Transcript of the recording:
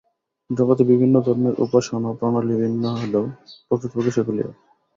জগতে বিভিন্ন ধর্মের উপাসনা-প্রণালী বিভিন্ন হইলেও প্রকৃতপক্ষে সেগুলি এক।